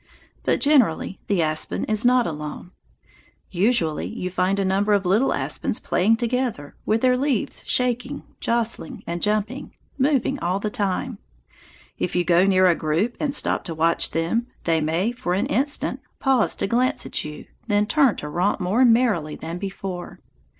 But generally the aspen is not alone. Usually you find a number of little aspens playing together, with their leaves shaking, jostling, and jumping, moving all the time. If you go near a group and stop to watch them, they may, for an instant, pause to glance at you, then turn to romp more merrily than before.